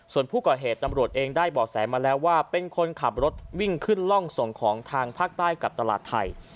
ส่วนผู้ก่อเหตุตำรวจเองได้บ่อแสมาแล้วว่าเป็นคนขับรถวิ่งขึ้นร่องส่งของทางภาคใต้กับตลาดไทย